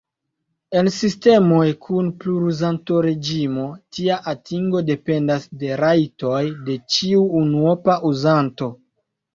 En sistemoj kun pluruzanto-reĝimo, tia atingo dependas de la rajtoj de ĉiu unuopa uzanto.